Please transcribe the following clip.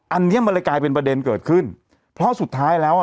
อันนี้มันเลยกลายเป็นประเด็นเกิดขึ้นเพราะสุดท้ายแล้วอ่ะ